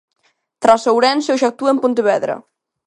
Tras Ourense hoxe actúa en Pontevedra.